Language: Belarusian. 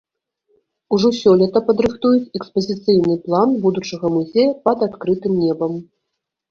Ужо сёлета падрыхтуюць экспазіцыйны план будучага музея пад адкрытым небам.